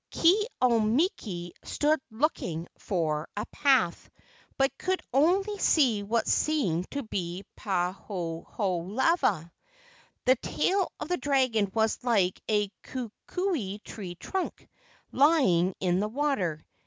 Ke au miki stood looking for a path, but could only see what seemed to be pahoehoe lava. The tail of the dragon was like a kukui tree trunk lying in the water.